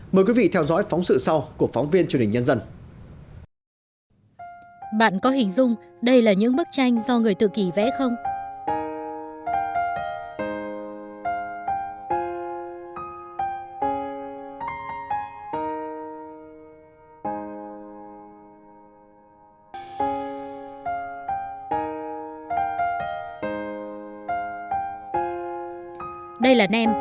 mời quý vị theo dõi phóng sự sau của phóng viên truyền hình nhân dân